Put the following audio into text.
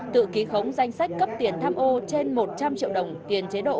tự ký khống danh sách cấp tiền tham ô trên một trăm linh triệu đồng tiền chế độ